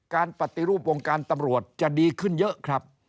การปฏิรูปวงการตำรวจจะดีขึ้นเยอะครับ